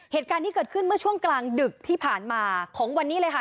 เหตุการณ์นี้เกิดขึ้นเมื่อช่วงกลางดึกที่ผ่านมาของวันนี้เลยค่ะ